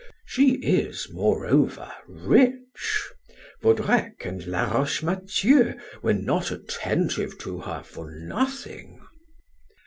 She is, moreover, rich; Vaudrec and Laroche Mathieu were not attentive to her for nothing."